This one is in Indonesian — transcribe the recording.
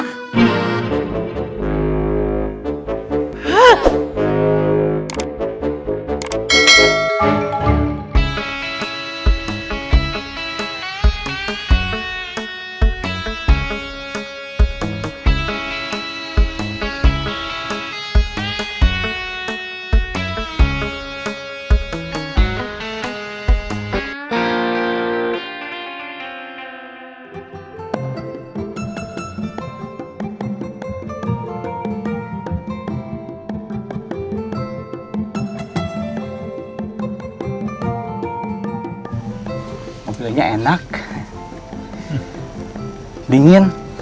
sering sering aja kayak gini